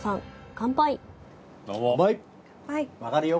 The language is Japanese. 乾杯。